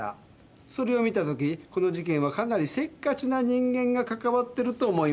それを見たときこの事件はかなりせっかちな人間がかかわってると思いました。